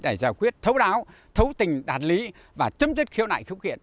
để giải quyết thấu đáo thấu tình đạt lý và chấm dứt khiếu nại khúc kiện